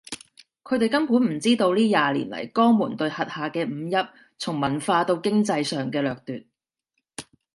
佢哋根本唔知道呢廿年嚟江門對轄下嘅五邑從文化到經濟上嘅掠奪